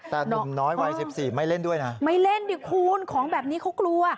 แต่หนุ่มน้อยวัย๑๔ไม่เล่นด้วยนะไม่เล่นดิคุณของแบบนี้เขากลัว